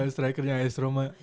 strikernya ice roma